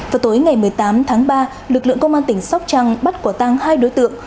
vào tối ngày một mươi tám tháng ba lực lượng công an tỉnh sóc trăng bắt quả tăng hai đối tượng